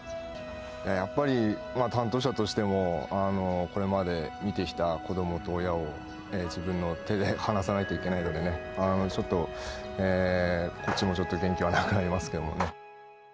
やっぱり、担当者としても、これまで見てきた子どもと親を、自分の手で離さないといけないのでね、ちょっと、こっちもちょっと元気はなくなりますけどね。